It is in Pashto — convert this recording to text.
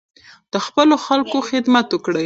د خپلو خلکو خدمت وکړئ.